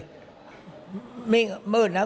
ชื่อว่าคุณพี่สมบูรณ์สังขทิบ